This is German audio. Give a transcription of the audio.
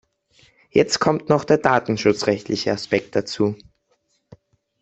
Jetzt kommt noch der datenschutzrechtliche Aspekt dazu.